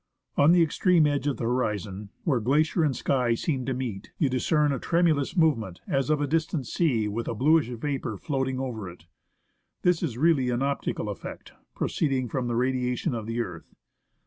On the extreme edge of the horizon, where glacier and sky seem to meet, you discern a tremulous movement, as of a distant sea with a bluish vapour floating over it. This is really an optical effect proceeding from the radiation of the earth.